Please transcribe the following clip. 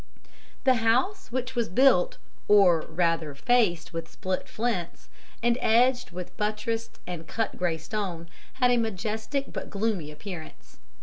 The house, which was built, or, rather, faced with split flints, and edged and buttressed with cut grey stone, had a majestic but gloomy appearance.